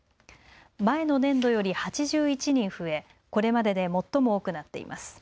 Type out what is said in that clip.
前の年度より８１人増えこれまでで最も多くなっています。